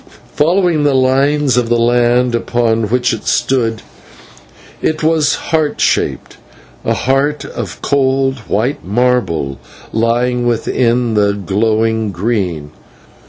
Following the lines of the land upon which it stood, it was heart shaped a heart of cold, white marble lying within a heart of glowing green.